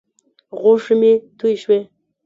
غوښې مې تویې شوې.